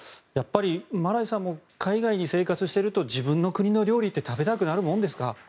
マライさんも海外で生活していると自分の国の料理って食べたくなるものですか？